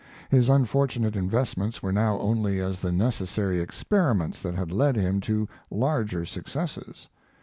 His unfortunate investments were now only as the necessary experiments that had led him to larger successes.